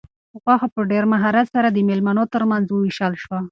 غوښه په ډېر مهارت سره د مېلمنو تر منځ وویشل شوه.